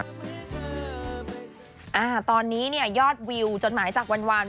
ตอนนี้ยอดวิวจนหมายจากวันวาน